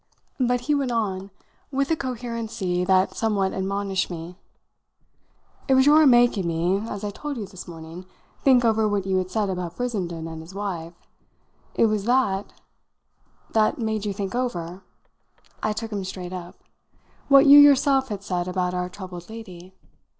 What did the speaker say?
But he went on with a coherency that somewhat admonished me: "It was your making me, as I told you this morning, think over what you had said about Brissenden and his wife: it was that " "That made you think over" I took him straight up "what you yourself had said about our troubled lady?